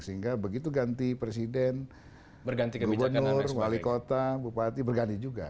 sehingga begitu ganti presiden gubernur wali kota bupati berganti juga